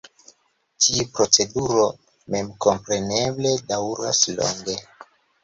Tiu proceduro memkompreneble daŭras longe.